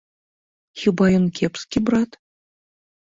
Хіба ён кепскі брат?